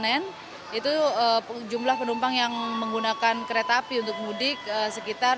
nah untuk hari ini khamis dua stasiun pasar senen itu jumlah penumpang yang menggunakan kereta api untuk mudik sekitar dua puluh enam lima ratus